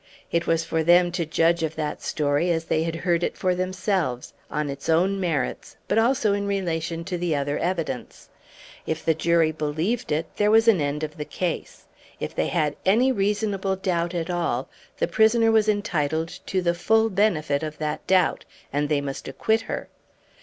It was for them to judge of that story as they had heard it for themselves, on its own merits, but also in relation to the other evidence. If the jury believed it, there was an end of the case. If they had any reasonable doubt at all, the prisoner was entitled to the full benefit of that doubt, and they must acquit her.